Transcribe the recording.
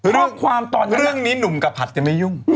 เรื่องนี้หนุ่มกระผัดจะไม่ยุ่ง